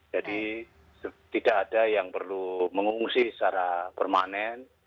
jadi tidak ada yang perlu mengungsi secara permanen